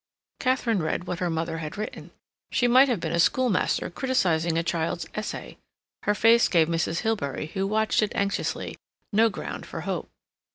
Katharine read what her mother had written. She might have been a schoolmaster criticizing a child's essay. Her face gave Mrs. Hilbery, who watched it anxiously, no ground for hope.